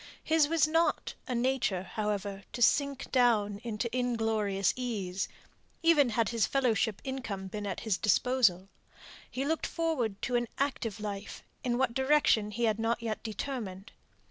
His was not a nature, however, to sink down into inglorious ease, even had his fellowship income been at his disposal. He looked forward to an active life; in what direction he had not yet determined.